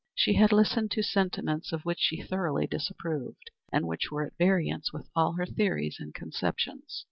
She had listened to sentiments of which she thoroughly disapproved, and which were at variance with all her theories and conceptions.